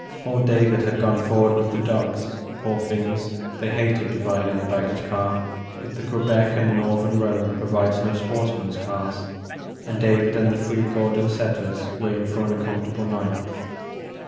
Old David had gone forward with the dogs ; poor things, they hated to ride in the bag gage car, but the Quebec and Northern road provides no sportsman's cars, and David and the three Gordon setters were in for an uncom fortable night.